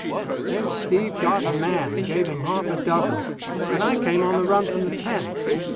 Then Steve got mad and gave him half a dozen, and I came on the run from the tent.